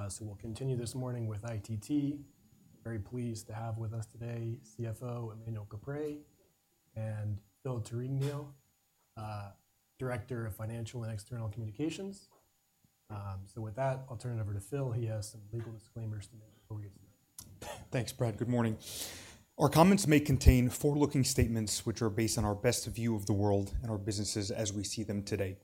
Wolfe. We'll continue this morning with ITT. Very pleased to have with us today CFO, Emmanuel Caprais, and Phil Tourigny, Director of Financial and External Communications. With that, I'll turn it over to Phil. He has some legal disclaimers to make before we get started. Thanks, Brad. Good morning. Our comments may contain forward-looking statements, which are based on our best view of the world and our businesses as we see them today.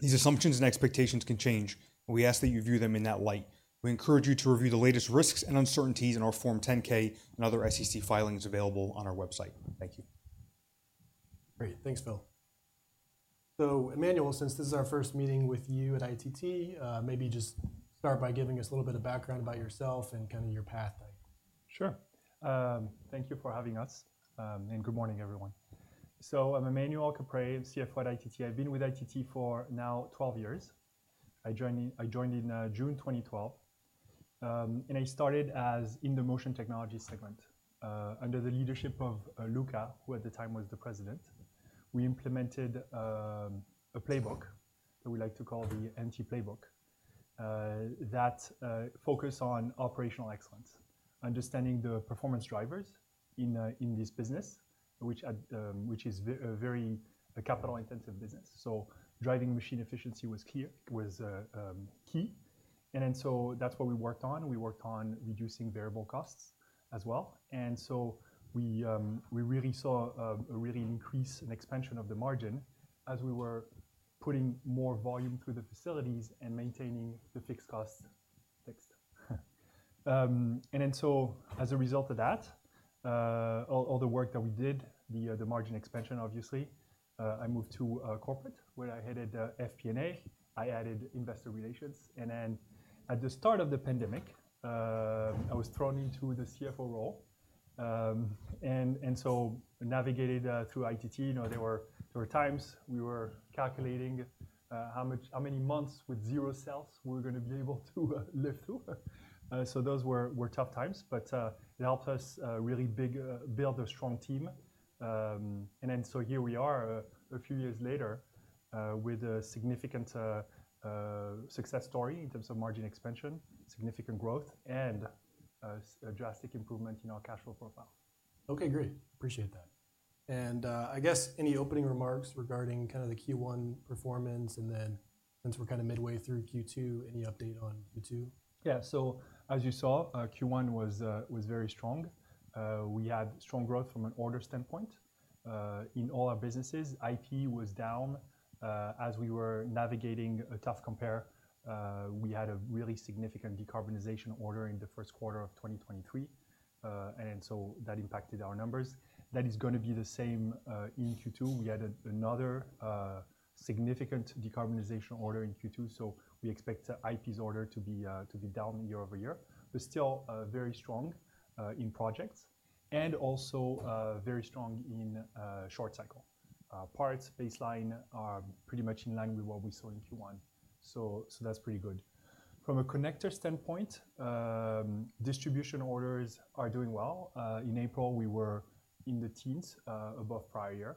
These assumptions and expectations can change, and we ask that you view them in that light. We encourage you to review the latest risks and uncertainties in our Form 10-K and other SEC filings available on our website. Thank you. Great. Thanks, Phil. So Emmanuel, since this is our first meeting with you at ITT, maybe just start by giving us a little bit of background about yourself and kind of your path. Sure. Thank you for having us, and good morning, everyone. So I'm Emmanuel Caprais, CFO at ITT. I've been with ITT for now 12 years. I joined in, I joined in June 2012, and I started as in the Motion Technologies segment. Under the leadership of Luca, who at the time was the President, we implemented a playbook that we like to call the MT Playbook, that focused on operational excellence, understanding the performance drivers in this business, which is a very capital-intensive business. So driving machine efficiency was key, and then so that's what we worked on. We worked on reducing variable costs as well, and so we really saw a real increase in expansion of the margin as we were putting more volume through the facilities and maintaining the fixed costs fixed. And then so as a result of that, all the work that we did, the margin expansion, obviously, I moved to corporate, where I headed FP&A. I added investor relations, and then at the start of the pandemic, I was thrown into the CFO role. And so I navigated through ITT. You know, there were times we were calculating how many months with zero sales we were gonna be able to live through. So those were tough times, but it helped us really big build a strong team. And then, so here we are, a few years later, with a significant success story in terms of margin expansion, significant growth, and a drastic improvement in our cash flow profile. Okay, great. Appreciate that. I guess any opening remarks regarding kind of the Q1 performance, and then since we're kind of midway through Q2, any update on the two? Yeah. So as you saw, Q1 was very strong. We had strong growth from an order standpoint in all our businesses. IP was down as we were navigating a tough compare. We had a really significant decarbonization order in the first quarter of 2023, and so that impacted our numbers. That is gonna be the same in Q2. We added another significant decarbonization order in Q2, so we expect IP's order to be down year-over-year. But still very strong in projects and also very strong in short cycle. Parts baseline are pretty much in line with what we saw in Q1, so that's pretty good. From a connector standpoint, distribution orders are doing well. In April, we were in the teens above prior year.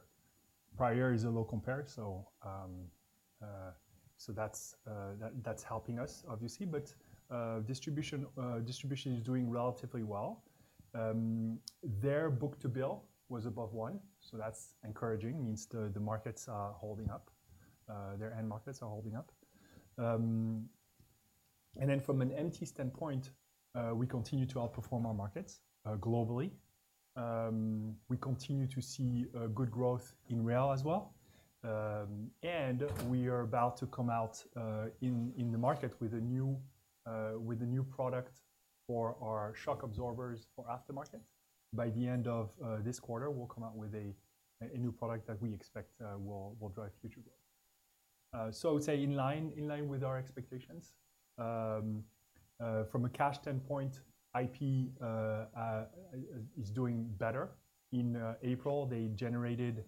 Prior year is a low compare, so that's helping us, obviously. But distribution is doing relatively well. Their book-to-bill was above 1, so that's encouraging. Means the markets are holding up, their end markets are holding up. And then from an MT standpoint, we continue to outperform our markets globally. We continue to see good growth in rail as well. And we are about to come out in the market with a new product for our shock absorbers for aftermarket. By the end of this quarter, we'll come out with a new product that we expect will drive future growth. So I would say in line with our expectations. From a cash standpoint, IP is doing better. In April, they generated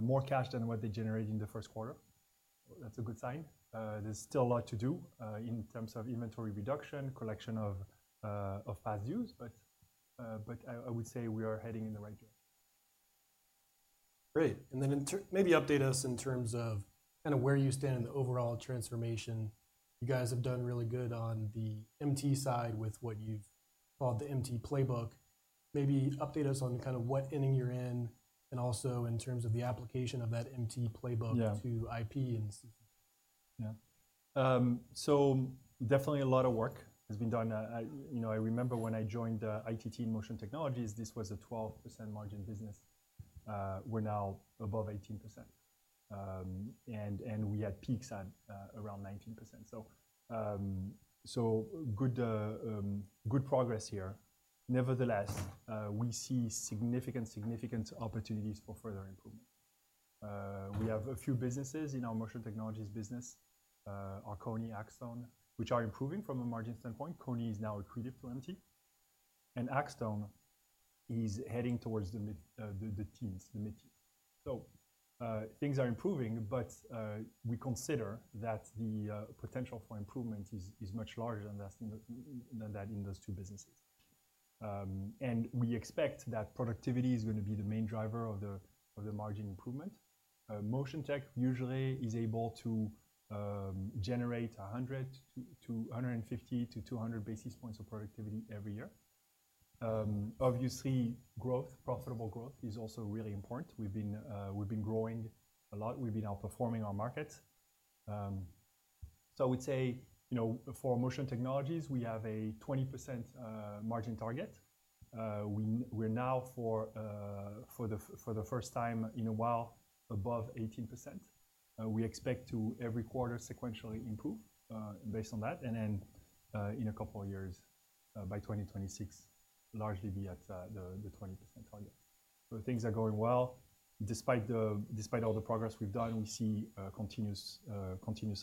more cash than what they generated in the first quarter. That's a good sign. There's still a lot to do in terms of inventory reduction, collection of past dues, but I would say we are heading in the right direction. Great, and then in terms, maybe update us in terms of kind of where you stand in the overall transformation. You guys have done really good on the MT side with what you've called the MT Playbook. Maybe update us on kind of what inning you're in, and also in terms of the application of that MT Playbook. Yeah To IP and yeah. So definitely a lot of work has been done. You know, I remember when I joined ITT Motion Technologies, this was a 12% margin business. We're now above 18%. And we had peaks at around 19%. So good progress here. Nevertheless, we see significant opportunities for further improvement. We have a few businesses in our Motion Technologies business, our Koni, Axtone, which are improving from a margin standpoint. Koni is now accretive to MT, and Axtone is heading towards the mid-teens. So things are improving, but we consider that the potential for improvement is much larger than that in those two businesses. And we expect that productivity is going to be the main driver of the margin improvement. Motion Tech usually is able to generate 100 to 150-200 basis points of productivity every year. Obviously, growth, profitable growth is also really important. We've been growing a lot. We've been outperforming our market. So I would say, you know, for Motion Technologies, we have a 20% margin target. We're now for the first time in a while above 18%. We expect to every quarter sequentially improve based on that. And then in a couple of years, by 2026, largely be at the 20% target. So things are going well. Despite all the progress we've done, we see continuous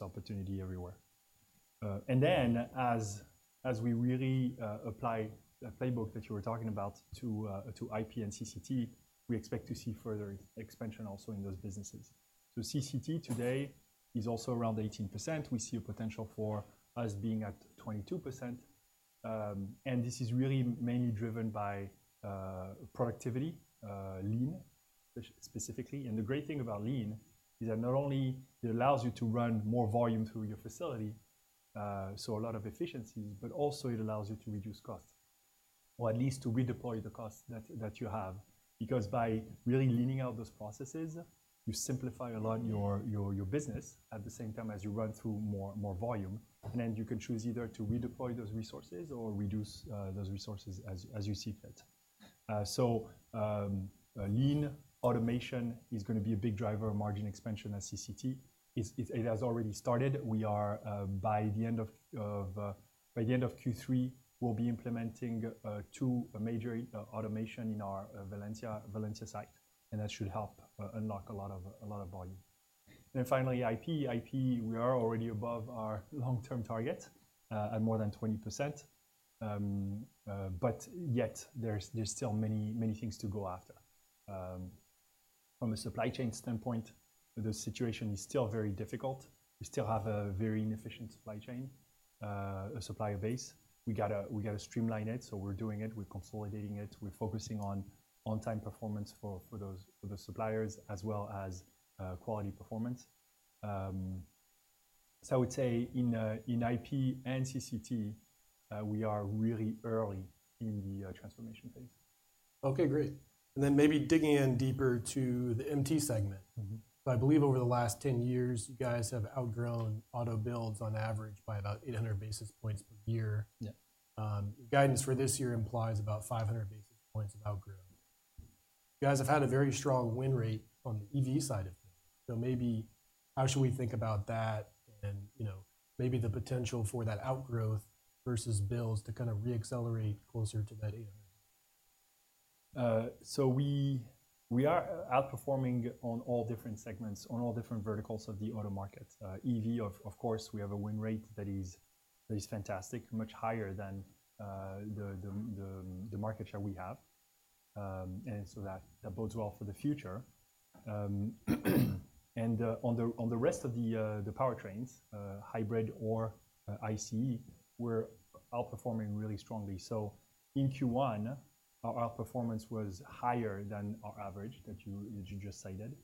opportunity everywhere. And then as we really apply the playbook that you were talking about to IP and CCT, we expect to see further expansion also in those businesses. So CCT today is also around 18%. We see a potential for us being at 22%. And this is really mainly driven by productivity, lean, specifically. And the great thing about lean is that not only it allows you to run more volume through your facility, so a lot of efficiencies, but also it allows you to reduce costs, or at least to redeploy the costs that you have. Because by really leaning out those processes, you simplify a lot your business at the same time as you run through more volume. Then you can choose either to redeploy those resources or reduce those resources as you see fit. So, lean automation is gonna be a big driver of margin expansion at CCT. It has already started. By the end of Q3, we'll be implementing two major automation in our Valencia site, and that should help unlock a lot of volume. Then finally, IP. We are already above our long-term target at more than 20%. But yet there's still many things to go after. From a supply chain standpoint, the situation is still very difficult. We still have a very inefficient supply chain, a supplier base. We gotta streamline it, so we're doing it. We're consolidating it. We're focusing on on-time performance for those suppliers, as well as quality performance. So I would say in IP and CCT, we are really early in the transformation phase. Okay, great. And then maybe digging in deeper to the MT segment. Mm-hmm. I believe over the last 10 years, you guys have outgrown auto builds on average by about 800 basis points per year. Yeah. Guidance for this year implies about 500 basis points of outgrowth. You guys have had a very strong win rate on the EV side of it, so maybe how should we think about that and, you know, maybe the potential for that outgrowth versus builds to kind of reaccelerate closer to that 800? So we are outperforming on all different segments, on all different verticals of the auto market. EV, of course, we have a win rate that is fantastic, much higher than the market share we have. And so that bodes well for the future. And on the rest of the powertrains, hybrid or ICE, we're outperforming really strongly. So in Q1, our outperformance was higher than our average that you just cited,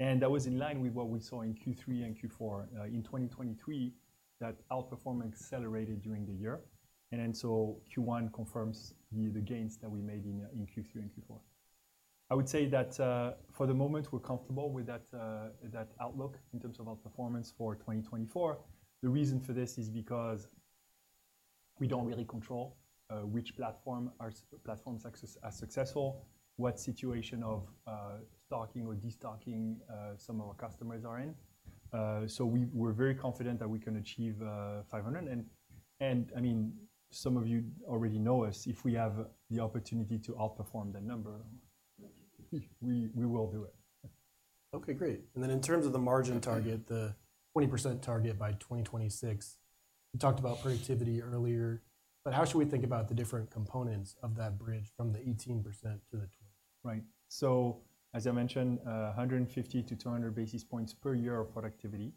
and that was in line with what we saw in Q3 and Q4. In 2023, that outperformance accelerated during the year, and then so Q1 confirms the gains that we made in Q3 and Q4. I would say that, for the moment, we're comfortable with that, that outlook in terms of outperformance for 2024. The reason for this is because we don't really control, which platform or platforms are successful, what situation of, stocking or destocking, some of our customers are in. So we're very confident that we can achieve, $500. And, I mean, some of you already know us, if we have the opportunity to outperform that number, we, we will do it. Okay, great. And then in terms of the margin target, the 20% target by 2026, you talked about productivity earlier, but how should we think about the different components of that bridge from the 18% to the 20? Right. So as I mentioned, 150-200 basis points per year of productivity,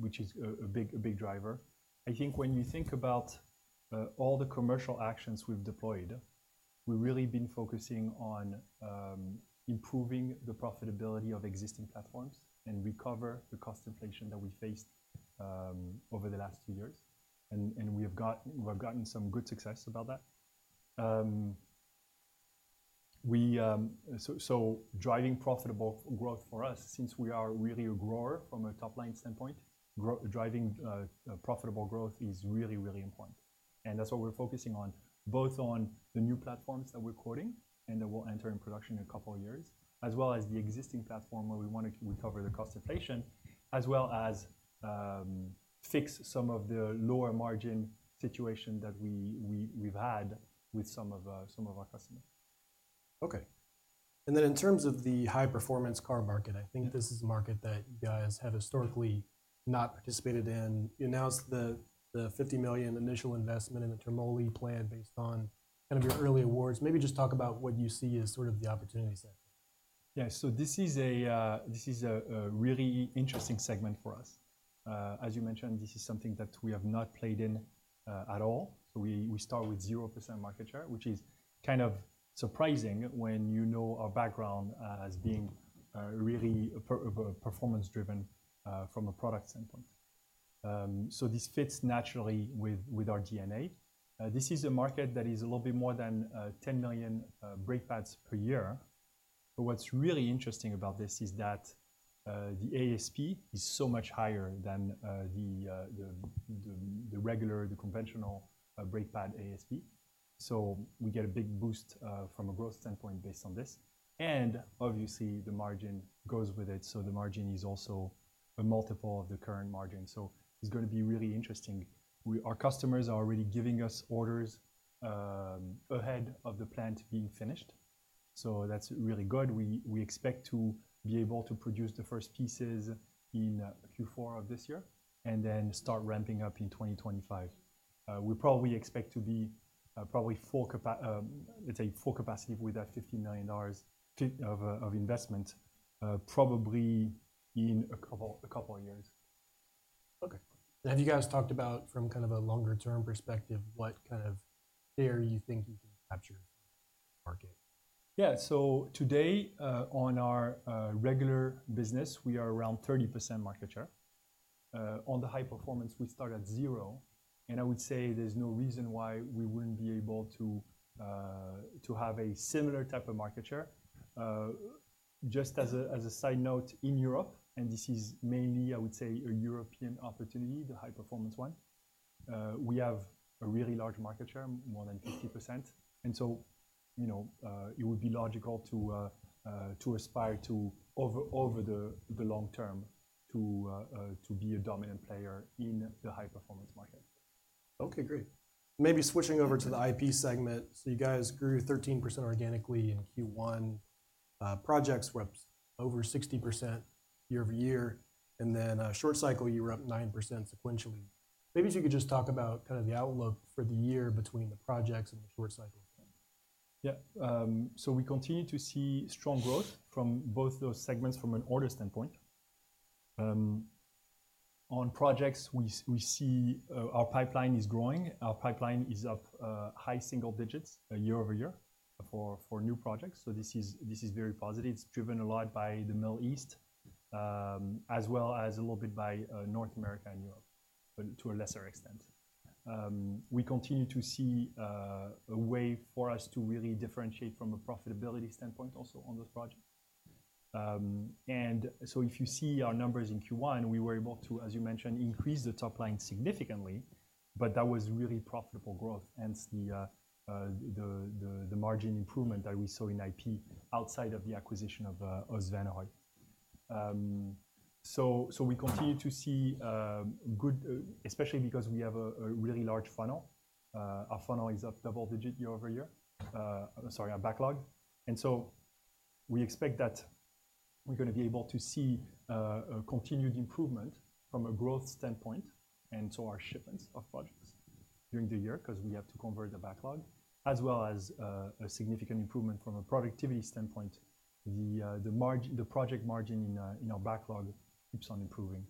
which is a big driver. I think when you think about all the commercial actions we've deployed, we've really been focusing on improving the profitability of existing platforms and recover the cost inflation that we faced over the last few years. And we've gotten some good success about that. So driving profitable growth for us, since we are really a grower from a top-line standpoint, driving profitable growth is really, really important. That's what we're focusing on, both on the new platforms that we're quoting and that will enter in production in a couple of years, as well as the existing platform, where we want to recover the cost inflation, as well as fix some of the lower margin situation that we've had with some of our customers. Okay. And then in terms of the high-performance car market, I think this is a market that you guys have historically not participated in. You announced the $50 million initial investment in the Termoli plant based on kind of your early awards. Maybe just talk about what you see as sort of the opportunity set. Yeah, so this is a really interesting segment for us. As you mentioned, this is something that we have not played in at all. So we start with 0% market share, which is kind of surprising when you know our background as being really per-performance driven from a product standpoint. So this fits naturally with our DNA. This is a market that is a little bit more than 10 million brake pads per year. But what's really interesting about this is that the ASP is so much higher than the regular, the conventional brake pad ASP. So we get a big boost from a growth standpoint based on this. And obviously, the margin goes with it, so the margin is also a multiple of the current margin. So it's gonna be really interesting. Our customers are already giving us orders ahead of the plant being finished, so that's really good. We expect to be able to produce the first pieces in Q4 of this year and then start ramping up in 2025. We probably expect to be full capacity with that $50 million of investment probably in a couple of years. Okay. Have you guys talked about from kind of a longer-term perspective, what kind of share you think you can capture in the market? Yeah. So today, on our regular business, we are around 30% market share. On the high performance, we start at 0%, and I would say there's no reason why we wouldn't be able to have a similar type of market share. Just as a side note, in Europe, and this is mainly, I would say, a European opportunity, the high-performance one, we have a really large market share, more than 50%. And so, you know, it would be logical to aspire to, over the long term, to be a dominant player in the high-performance market. Okay, great. Maybe switching over to the IP segment. So you guys grew 13% organically in Q1. Projects were up over 60% year-over-year, and then, short cycle, you were up 9% sequentially. Maybe if you could just talk about kind of the outlook for the year between the projects and the short cycle. Yeah. So we continue to see strong growth from both those segments from an order standpoint. On projects, we see our pipeline is growing. Our pipeline is up high single digits year-over-year for new projects, so this is very positive. It's driven a lot by the Middle East, as well as a little bit by North America and Europe, but to a lesser extent. We continue to see a way for us to really differentiate from a profitability standpoint also on those projects. And so if you see our numbers in Q1, we were able to, as you mentioned, increase the top line significantly, but that was really profitable growth, hence the margin improvement that we saw in IP outside of the acquisition of Svanehøj. So, so we continue to see good, especially because we have a really large funnel. Our funnel is up double-digit year-over-year. Sorry, our backlog. And so we expect that we're gonna be able to see a continued improvement from a growth standpoint, and so our shipments of projects during the year, 'cause we have to convert the backlog, as well as a significant improvement from a productivity standpoint. The margin, the project margin in our backlog keeps on improving.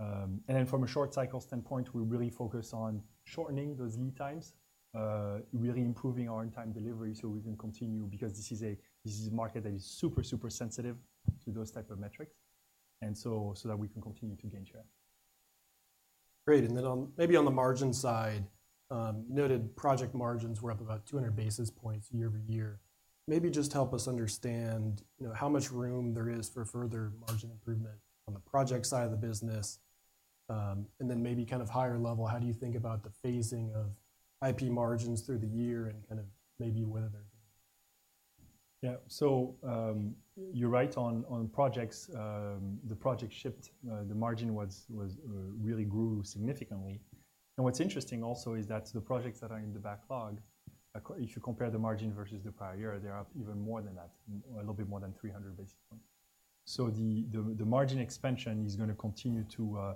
And then from a short cycle standpoint, we really focus on shortening those lead times, really improving our on-time delivery so we can continue, because this is a market that is super, super sensitive to those type of metrics, and so, so that we can continue to gain share. Great. And then on, maybe on the margin side, noted project margins were up about 200 basis points year-over-year. Maybe just help us understand, you know, how much room there is for further margin improvement on the project side of the business. And then maybe kind of higher level, how do you think about the phasing of IP margins through the year and kind of maybe whether- Yeah. So, you're right on projects. The project shipped, the margin really grew significantly. And what's interesting also is that the projects that are in the backlog, if you compare the margin versus the prior year, they're up even more than that, a little bit more than 300 basis points. So the margin expansion is gonna continue to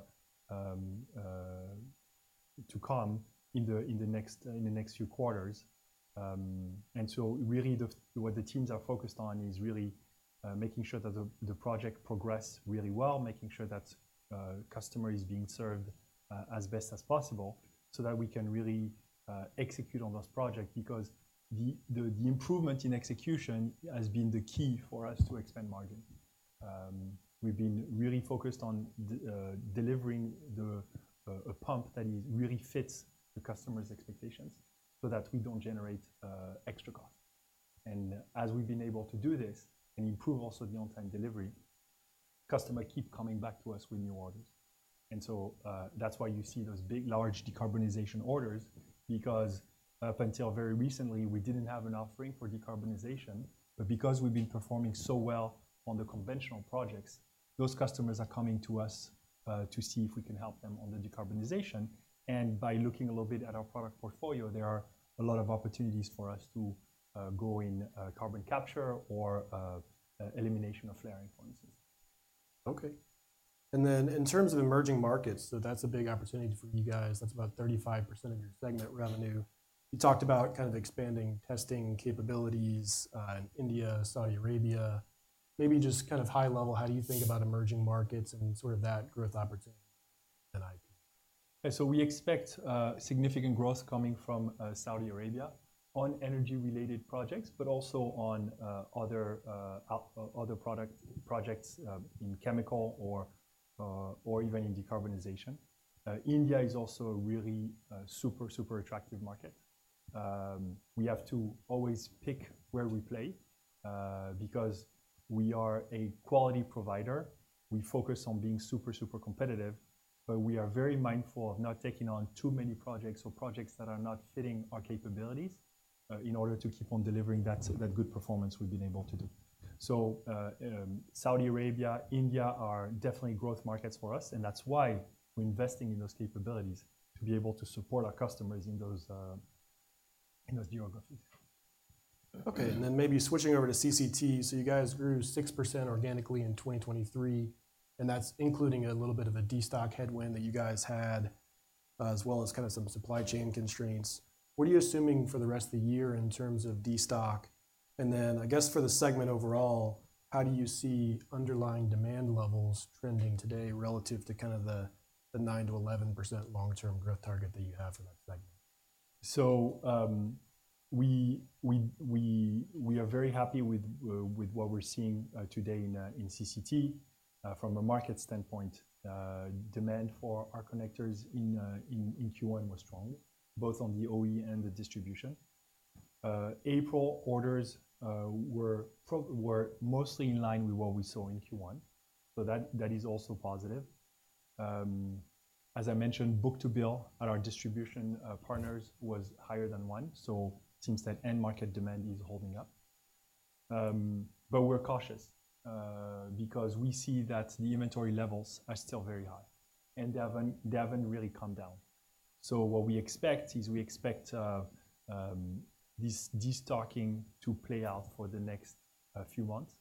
come in the next few quarters. And so really, what the teams are focused on is really making sure that the project progress really well, making sure that customer is being served as best as possible, so that we can really execute on this project. Because the improvement in execution has been the key for us to expand margin. We've been really focused on delivering the a pump that really fits the customer's expectations so that we don't generate extra cost. And as we've been able to do this and improve also the on-time delivery, customer keep coming back to us with new orders. And so, that's why you see those big, large decarbonization orders, because up until very recently, we didn't have an offering for decarbonization. But because we've been performing so well on the conventional projects, those customers are coming to us to see if we can help them on the decarbonization. And by looking a little bit at our product portfolio, there are a lot of opportunities for us to go in carbon capture or elimination of flaring, for instance. Okay. And then in terms of emerging markets, so that's a big opportunity for you guys. That's about 35% of your segment revenue. You talked about kind of expanding testing capabilities in India, Saudi Arabia. Maybe just kind of high level, how do you think about emerging markets and sort of that growth opportunity than IP? So we expect significant growth coming from Saudi Arabia on energy-related projects, but also on other projects in chemical or even in decarbonization. India is also a really super, super attractive market. We have to always pick where we play because we are a quality provider. We focus on being super, super competitive, but we are very mindful of not taking on too many projects or projects that are not fitting our capabilities in order to keep on delivering that good performance we've been able to do. So Saudi Arabia, India, are definitely growth markets for us, and that's why we're investing in those capabilities to be able to support our customers in those geographies. Okay. And then maybe switching over to CCT. So you guys grew 6% organically in 2023, and that's including a little bit of a destock headwind that you guys had, as well as kind of some supply chain constraints. What are you assuming for the rest of the year in terms of destock? And then I guess for the segment overall, how do you see underlying demand levels trending today relative to kind of the, the 9%-11% long-term growth target that you have for that segment? So, we are very happy with what we're seeing today in CCT. From a market standpoint, demand for our connectors in Q1 was strong, both on the OE and the distribution. April orders were mostly in line with what we saw in Q1, so that is also positive. As I mentioned, book-to-bill at our distribution partners was higher than one, so it seems that end market demand is holding up. But we're cautious because we see that the inventory levels are still very high, and they haven't really come down. So what we expect is we expect this destocking to play out for the next few months.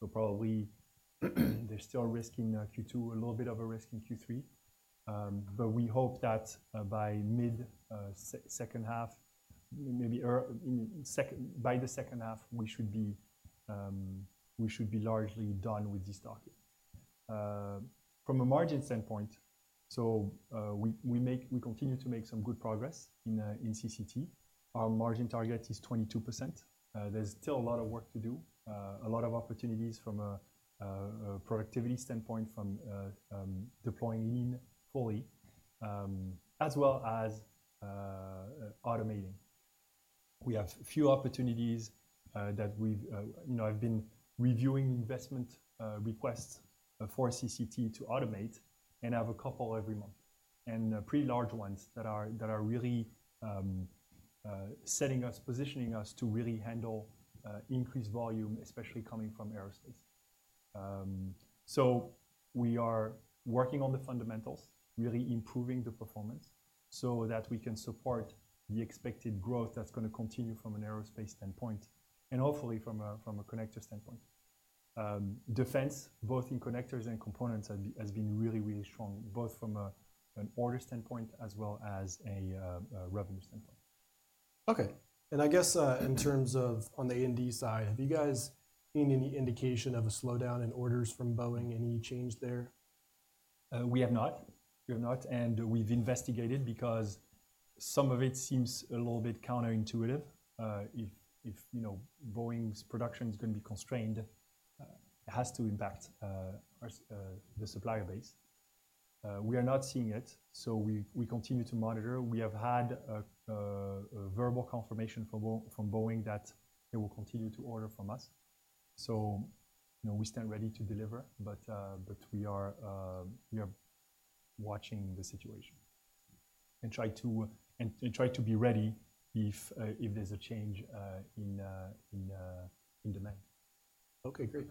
So probably, there's still a risk in Q2, a little bit of a risk in Q3. But we hope that by the second half, we should be largely done with destocking. From a margin standpoint, we continue to make some good progress in CCT. Our margin target is 22%. There's still a lot of work to do, a lot of opportunities from a productivity standpoint from deploying lean fully, as well as automating. We have a few opportunities that we've. You know, I've been reviewing investment requests for CCT to automate, and I have a couple every month, and pretty large ones that are really setting us, positioning us to really handle increased volume, especially coming from aerospace. So we are working on the fundamentals, really improving the performance so that we can support the expected growth that's gonna continue from an aerospace standpoint and hopefully from a connector standpoint. Defense, both in connectors and components, has been really, really strong, both from an order standpoint as well as a revenue standpoint. Okay. I guess, in terms of on the A&D side, have you guys seen any indication of a slowdown in orders from Boeing? Any change there? We have not. We have not, and we've investigated because some of it seems a little bit counterintuitive. If, you know, Boeing's production is going to be constrained, it has to impact our, the supplier base. We are not seeing it, so we continue to monitor. We have had a verbal confirmation from Boeing that they will continue to order from us. So, you know, we stand ready to deliver, but we are watching the situation and try to be ready if there's a change in demand. Okay, great.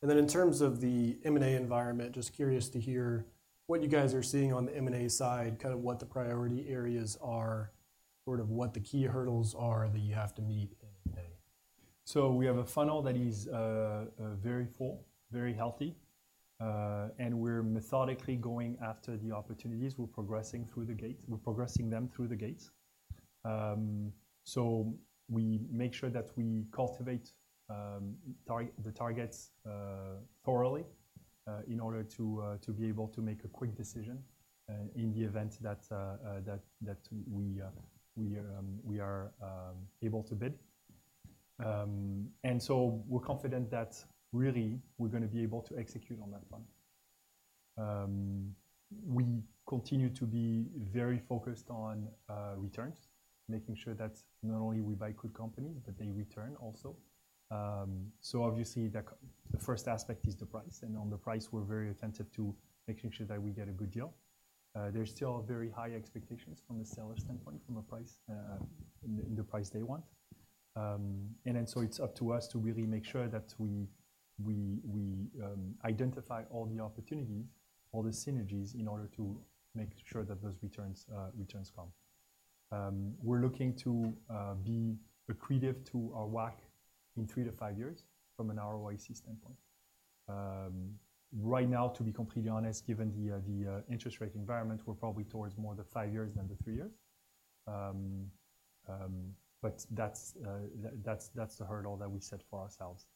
And then in terms of the M&A environment, just curious to hear what you guys are seeing on the M&A side, kind of what the priority areas are, sort of what the key hurdles are that you have to meet in M&A. So we have a funnel that is, very full, very healthy, and we're methodically going after the opportunities. We're progressing through the gates. We're progressing them through the gates. So we make sure that we cultivate, target, the targets, thoroughly, in order to, to be able to make a quick decision, in the event that, that, that we, we, we are, able to bid. And so we're confident that really we're gonna be able to execute on that plan. We continue to be very focused on, returns, making sure that not only we buy good companies, but they return also. So obviously, the c, the first aspect is the price, and on the price, we're very attentive to making sure that we get a good deal. There's still very high expectations from the seller's standpoint, from a price, in the price they want. And then so it's up to us to really make sure that we identify all the opportunities, all the synergies, in order to make sure that those returns come. We're looking to be accretive to our WACC in 3-5 years from an ROIC standpoint. Right now, to be completely honest, given the interest rate environment, we're probably towards more the five years than the three years. But that's the hurdle that we set for ourselves.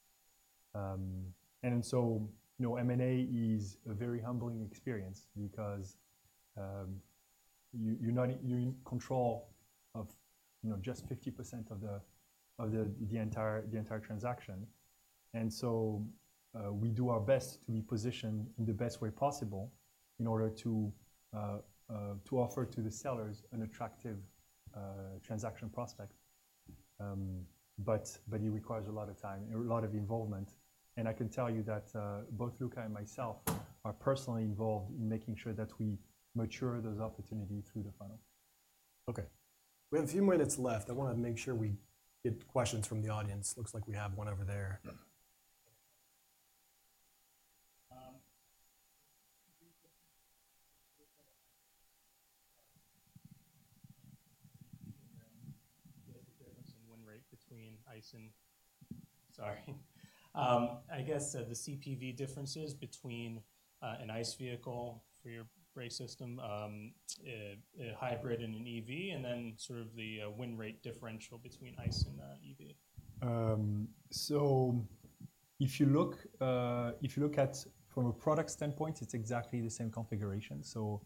And so, you know, M&A is a very humbling experience because you, you're not in, you're in control of, you know, just 50% of the entire transaction. So, we do our best to be positioned in the best way possible in order to offer to the sellers an attractive transaction prospect. But it requires a lot of time and a lot of involvement. I can tell you that both Luca and myself are personally involved in making sure that we mature those opportunities through the funnel. Okay. We have a few minutes left. I want to make sure we get questions from the audience. Looks like we have one over there. There's some win rate between ICE and... Sorry. I guess the CPV differences between an ICE vehicle for your brake system, a hybrid and an EV, and then sort of the win rate differential between ICE and EV. So if you look, if you look at from a product standpoint, it's exactly the same configuration. So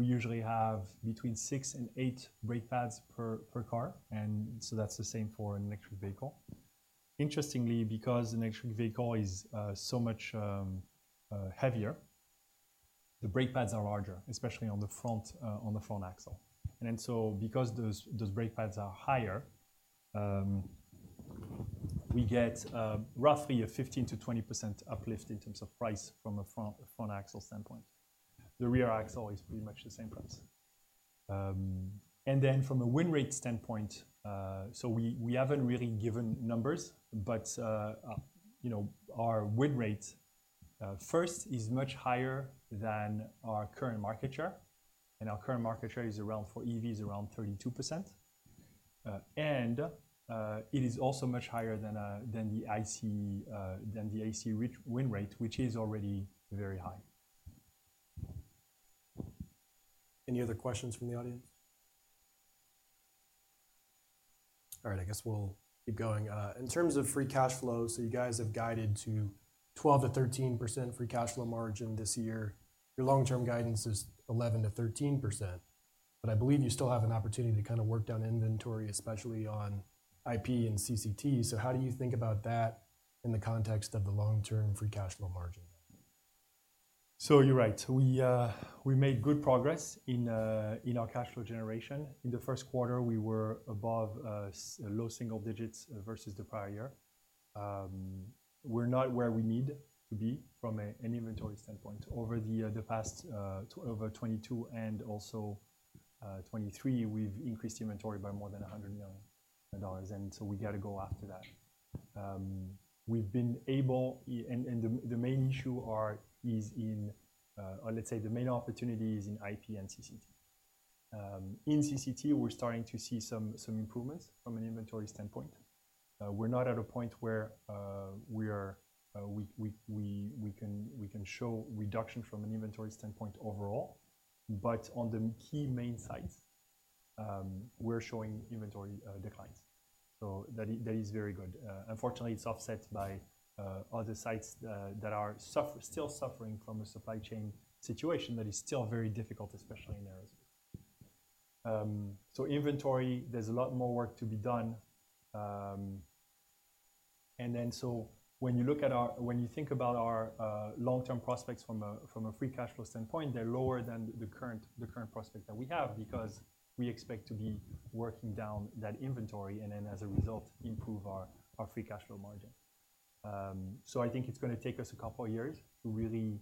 we usually have between six and eight brake pads per, per car, and so that's the same for an electric vehicle. Interestingly, because an electric vehicle is, so much, heavier, the brake pads are larger, especially on the front, on the front axle. And so because those, those brake pads are higher, we get, roughly a 15%-20% uplift in terms of price from a front, front axle standpoint. The rear axle is pretty much the same price. From a win rate standpoint, so we haven't really given numbers, but, you know, our win rate first is much higher than our current market share, and our current market share is around, for EVs, around 32%. And it is also much higher than the ICE win rate, which is already very high. Any other questions from the audience? All right, I guess we'll keep going. In terms of free cash flow, so you guys have guided to 12%-13% free cash flow margin this year. Your long-term guidance is 11%-13%, but I believe you still have an opportunity to kind of work down inventory, especially on IP and CCT. How do you think about that in the context of the long-term free cash flow margin? So you're right. We made good progress in our cash flow generation. In the first quarter, we were above low single digits versus the prior year. We're not where we need to be from an inventory standpoint. Over the past, over 2022 and also 2023, we've increased inventory by more than $100 million, and so we got to go after that. And the main issue is in, or let's say the main opportunity is in IP and CCT. In CCT, we're starting to see some improvements from an inventory standpoint. We're not at a point where we can show reduction from an inventory standpoint overall, but on the key main sites, we're showing inventory declines. So that is, that is very good. Unfortunately, it's offset by other sites that are still suffering from a supply chain situation that is still very difficult, especially in theirs. So inventory, there's a lot more work to be done. And then, so when you look at our, when you think about our long-term prospects from a free cash flow standpoint, they're lower than the current prospect that we have, because we expect to be working down that inventory, and then as a result, improve our free cash flow margin. So I think it's gonna take us a couple of years to really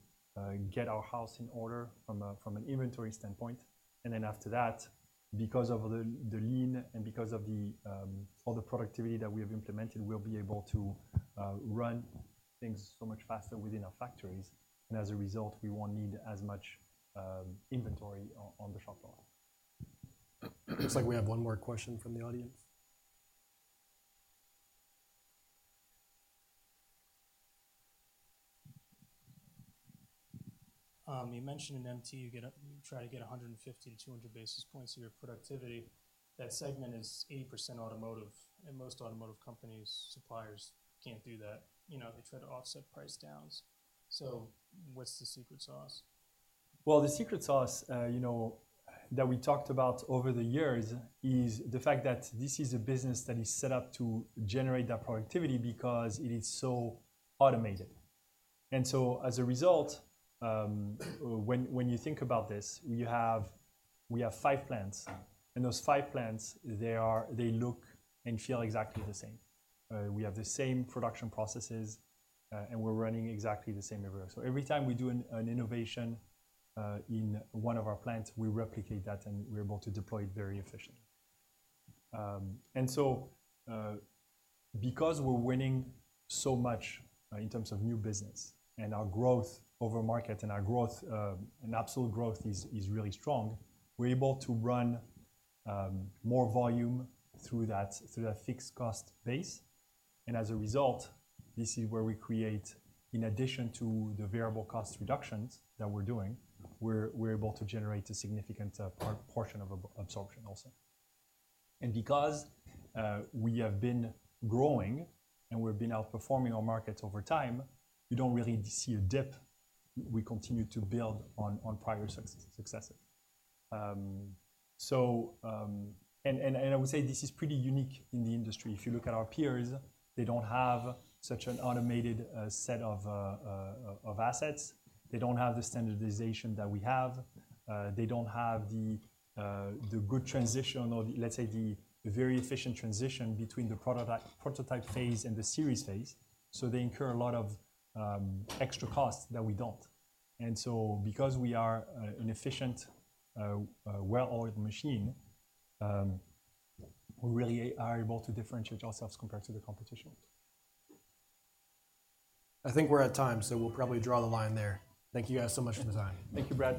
get our house in order from an inventory standpoint. And then after that, because of the lean and because of all the productivity that we have implemented, we'll be able to run things so much faster within our factories, and as a result, we won't need as much inventory on the shop floor. Looks like we have one more question from the audience. You mentioned in MT, you try to get 150-200 basis points of your productivity. That segment is 80% automotive, and most automotive companies, suppliers can't do that, you know, they try to offset price downs. So what's the secret sauce? Well, the secret sauce, you know, that we talked about over the years is the fact that this is a business that is set up to generate that productivity because it is so automated. And so as a result, when you think about this, we have five plants, and those five plants, they look and feel exactly the same. We have the same production processes, and we're running exactly the same everywhere. So every time we do an innovation in one of our plants, we replicate that, and we're able to deploy it very efficiently. And so, because we're winning so much in terms of new business and our growth over market and our growth, and absolute growth is really strong, we're able to run more volume through that, through that fixed cost base. And as a result, this is where we create, in addition to the variable cost reductions that we're doing, we're able to generate a significant portion of absorption also. And because we have been growing and we've been outperforming our markets over time, you don't really see a dip. We continue to build on prior successes. And I would say this is pretty unique in the industry. If you look at our peers, they don't have such an automated set of assets. They don't have the standardization that we have. They don't have the good transition or the, let's say, the very efficient transition between the prototype phase and the series phase. So they incur a lot of extra costs that we don't. And so because we are an efficient well-oiled machine, we really are able to differentiate ourselves compared to the competition. I think we're at time, so we'll probably draw the line there. Thank you guys so much for the time. Thank you, Brad.